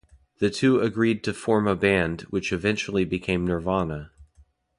The two agreed to form a band, which eventually became Nirvana.